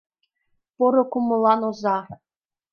Поро кумылан оза!